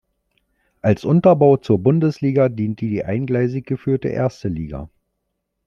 Als Unterbau zur "Bundesliga" diente die eingleisig geführte "Erste Liga".